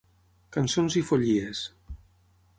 Cançons i follies.